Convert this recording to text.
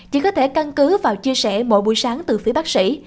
chỉ có thể căn cứ vào chia sẻ mỗi buổi sáng từ phía bác sĩ